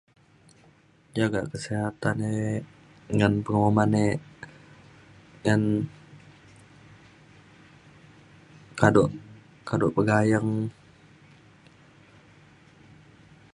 jagak kesihatan e ngan penguman e ngan kado kado pegayeng